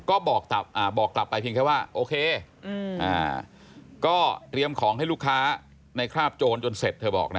ก็บอกกลับไปเพียงแค่ว่าโอเคก็เตรียมของให้ลูกค้าในคราบโจรจนเสร็จเธอบอกนะ